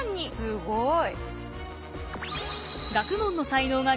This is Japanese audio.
すごい！